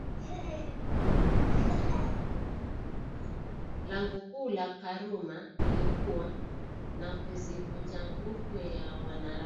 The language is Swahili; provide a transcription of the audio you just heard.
Lengo kuu la Karume lilikuwa ni kuzivunja nguvu za wanaharakati wa Umma Party